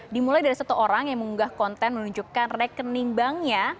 dimulai dari satu orang yang mengunggah konten menunjukkan rekening banknya